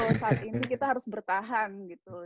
kalau saat ini kita harus bertahan gitu